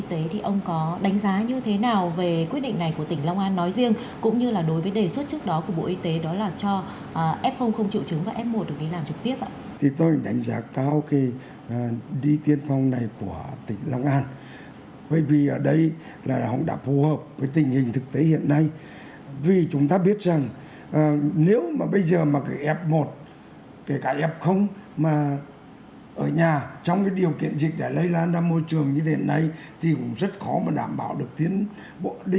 trưởng quay phó của bộ y tế đó là cho f không triệu chứng và f một được đi làm trực tiếp